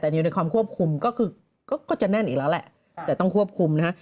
แต่อยู่ในความควบคุมก็คือก็จะแน่นอีกแล้วแหละแต่ต้องควบคุมนะฮะ